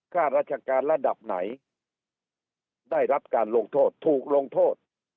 ข้าราชการระดับไหนได้รับการลงโทษถูกลงโทษ